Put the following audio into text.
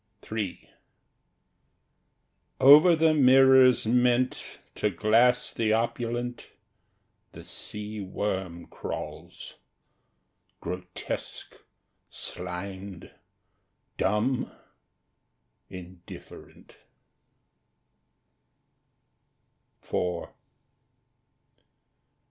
III Over the mirrors meant To glass the opulent The sea worm crawls—grotesque, slimed, dumb, indifferent.